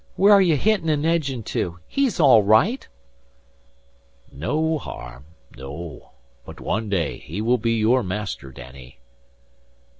"Where are ye hintin' an' edgin' to? He's all right." "No harm. No. But one day he will be your master, Danny."